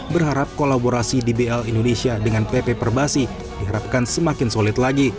berharap kolaborasi dbl indonesia dengan pp perbasi diharapkan semakin solid lagi